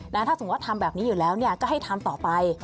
ถ้าสมมุติทำแบบนี้อยู่แล้วก็ให้ทำต่อไป